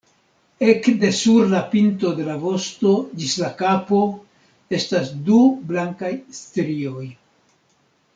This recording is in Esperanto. Ekde sur la pinto de la vosto ĝis la kapo estas du blankaj strioj.